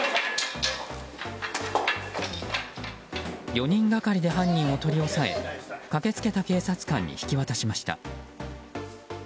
４人がかりで犯人を取り押さえ駆けつけた警察官に引き渡しました。